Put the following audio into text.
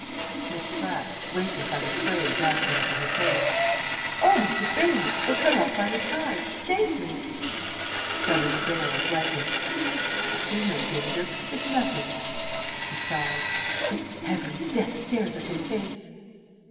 Miss Spratt (wakened by the spray dashing over her face). Oh, Mr. Bales! We're cut off by the tide! Save me! W. Bales (lightly). Tut tut, there's no danger. It's nothing. (Aside) Great Heavens! Death stares us in the face!